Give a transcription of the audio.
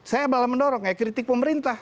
saya malah mendorong ya kritik pemerintah